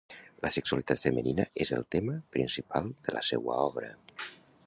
La sexualitat femenina és el tema principal de la seua obra.